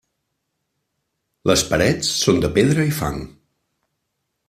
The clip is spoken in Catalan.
Les parets són de pedra i fang.